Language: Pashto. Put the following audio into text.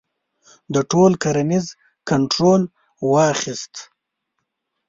د ټول کنړ کنټرول واخیست.